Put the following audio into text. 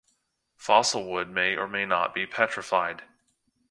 Fossil wood may or may not be petrified.